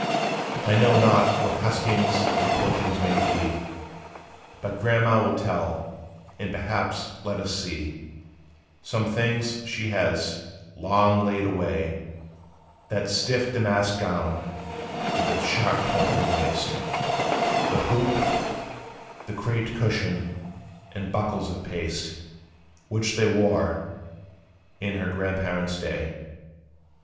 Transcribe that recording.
"I know not what huskings and quiltings may be; But Grandma' will tell; and perhaps let us see Some things, she has, long laid away: That stiff damask gown, with its sharp pointed waist, The hoop, the craped cushion, and buckles of paste, Which they wore in her grandparents' day.